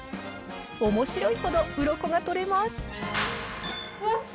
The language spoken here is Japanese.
おもしろいほどウロコが取れます。